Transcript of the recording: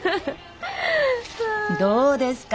どうですか？